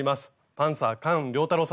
パンサー菅良太郎さんです。